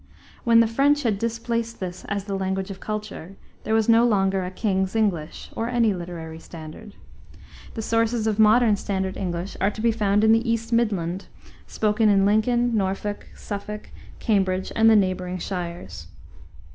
When the French had displaced this as the language of culture, there was no longer a "king's English" or any literary standard. The sources of modern standard English are to be found in the East Midland, spoken in Lincoln, Norfolk, Suffolk, Cambridge, and neighboring shires.